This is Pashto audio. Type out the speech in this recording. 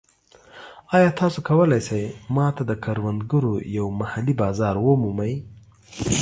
ایا تاسو کولی شئ ما ته د کروندګرو یو محلي بازار ومومئ؟